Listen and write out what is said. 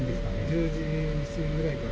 １０時過ぎぐらいから。